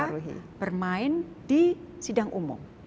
kita bermain di sidang umum